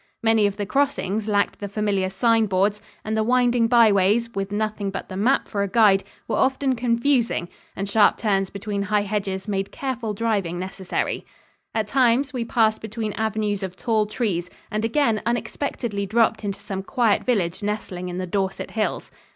Many of the crossings lacked the familiar sign boards, and the winding byways, with nothing but the map for a guide, were often confusing, and sharp turns between high hedges made careful driving necessary. At times we passed between avenues of tall trees and again unexpectedly dropped into some quiet village nestling in the Dorset hills.